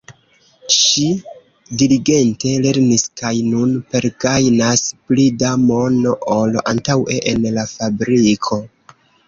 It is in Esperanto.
Ŝi diligente lernis kaj nun pergajnas pli da mono ol antaŭe en la fabriko.